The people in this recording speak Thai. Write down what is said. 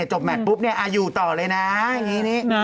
จบแมทปุ๊บอายุต่อเลยนะอย่างนี้นี่